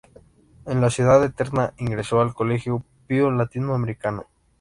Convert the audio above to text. En la Ciudad Eterna ingresó al Colegio Pío Latino Americano.